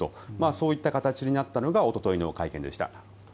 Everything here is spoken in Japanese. そういった形になったのがおとといの会見でした。